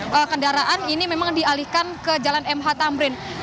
kendaraan ini memang dialihkan ke jalan mh tamrin